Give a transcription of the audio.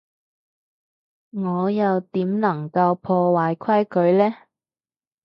我又點能夠破壞規矩呢？